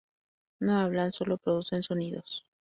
No hablan, sólo producen sonidos.